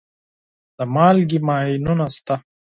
د مالګې ماینونه شته.